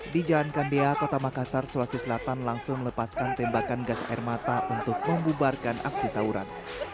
dijalankan dia kota makassar sulawesi selatan langsung melepaskan tembakan gas air mata untuk membubarkan aksi tauran